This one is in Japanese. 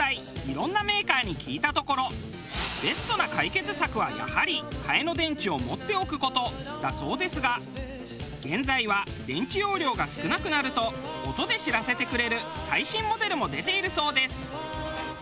いろんなメーカーに聞いたところベストな解決策はやはり替えの電池を持っておく事だそうですが現在は電池容量が少なくなると音で知らせてくれる最新モデルも出ているそうです。